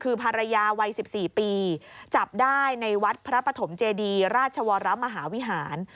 คือภรรยาวัย๑๔ปีจับได้ในวัดพระปฐมเจดีราชวรมหาวิหาร